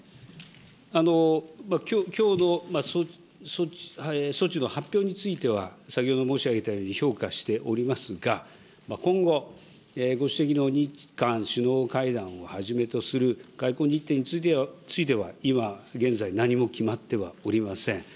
きょうの措置の発表については、先ほど申し上げたように評価しておりますが、今後、ご指摘の日韓首脳会談をはじめとする外交日程については、今現在、何も決まってはおりません。